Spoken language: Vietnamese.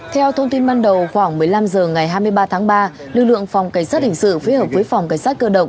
theo thông tin ban đầu khoảng một mươi năm h ngày hai mươi ba tháng ba lực lượng phòng cảnh sát hình sự phối hợp với phòng cảnh sát cơ động